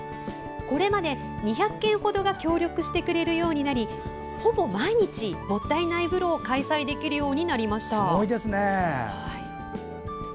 これまで２００軒ほどが協力してくれるようになりほぼ毎日、もったいない風呂を開催できるようになりました。